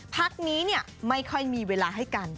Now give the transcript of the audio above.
พักนี้ไม่ค่อยมีเวลาให้กัน